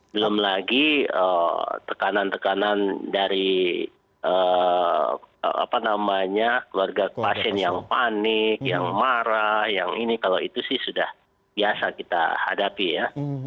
belum lagi tekanan tekanan dari keluarga pasien yang panik yang marah yang ini kalau itu sih sudah biasa kita hadapi ya